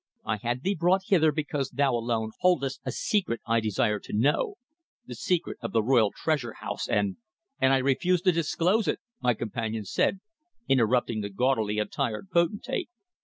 I had thee brought hither because thou alone holdest a secret I desire to know the secret of the royal Treasure house, and " "And I refuse to disclose it," my companion said, interrupting the gaudily attired potentate.